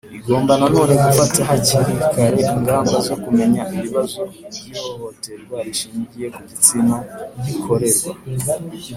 Igomba na none gufata hakiri kare ingamba zo kumenya ibibazo by ihohoterwa rishingiye ku gitsina rikorerwa